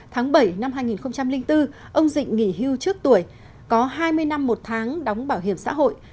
tháng bảy năm hai nghìn bốn ông dịch nghỉ hưu trước tuổi có hai mươi năm một tháng đóng bảo hiểm xã hội